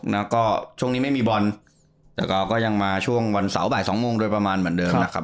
แล้วก็ช่วงนี้ไม่มีบอลแต่ก็ยังมาช่วงวันเสาร์บ่ายสองโมงโดยประมาณเหมือนเดิมนะครับ